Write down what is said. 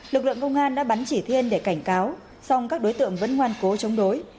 lực lượng công an đã bắn chỉ thiên để cảnh cáo song các đối tượng vẫn ngoan cố chống đối